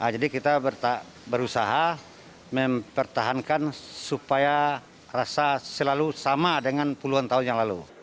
jadi kita berusaha mempertahankan supaya rasa selalu sama dengan puluhan tahun yang lalu